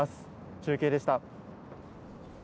中継でした。